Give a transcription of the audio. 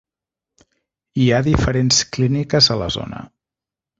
Hi ha diferents clíniques a la zona.